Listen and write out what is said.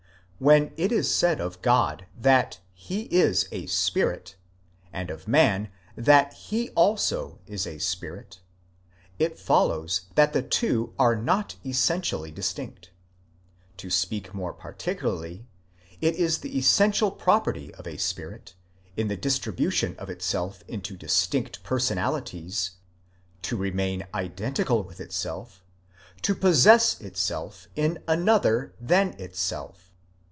When it is said of God that he is a Spirit, and of man that he also is a Spirit, it follows that the two are not essentially distinct. To speak more particularly, it is the essential property of a spirit, in the distribu tion of itself into distinct personalities, to remain identical with itself, to possess itself in another than itself.